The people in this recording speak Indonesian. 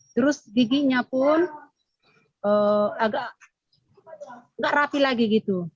terus giginya pun agak nggak rapi lagi gitu